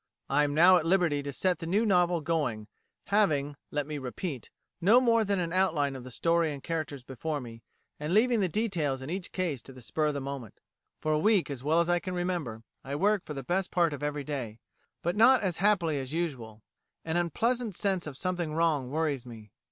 I am now at liberty to set the new novel going, having, let me repeat, no more than an outline of story and characters before me, and leaving the details in each case to the spur of the moment. For a week, as well as I can remember, I work for the best part of every day, but not as happily as usual. An unpleasant sense of something wrong worries me.